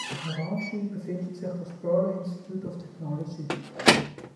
In Ranchi befindet sich das Birla Institute of Technology.